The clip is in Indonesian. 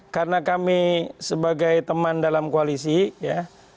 karena kami sebagai teman dalam koalisi ya